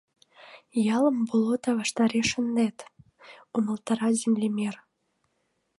— Ялым болота ваштареш шиндет, — умылтара землемер.